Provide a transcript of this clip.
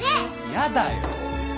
やだよ！